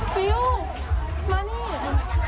ฟีลมานี่มานี่